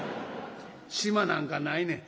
「縞なんかないねん」。